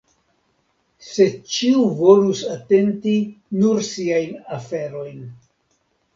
Se ĉiu volus atenti nur siajn aferojn.